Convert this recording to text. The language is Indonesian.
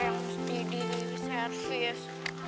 yang di servis